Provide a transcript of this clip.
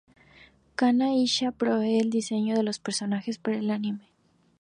Kana Ishida provee el diseño de los personajes para el anime.